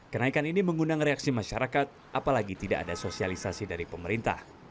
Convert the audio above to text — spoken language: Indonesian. kenaikan ini mengundang reaksi masyarakat apalagi tidak ada sosialisasi dari pemerintah